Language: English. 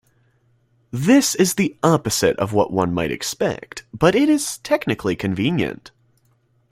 This is the opposite of what one might expect, but it is technically convenient.